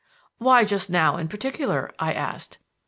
"Why just now in particular?" I asked.